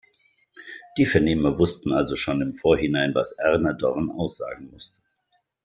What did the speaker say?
Die Vernehmer wussten also schon im Vorhinein, was Erna Dorn aussagen musste.